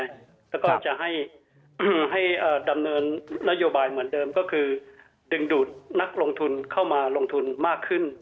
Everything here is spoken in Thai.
แล้วก็จะให้ดำเนินนโยบายเหมือนเดิมก็คือดึงดูดนักลงทุนเข้ามาลงทุนมากขึ้น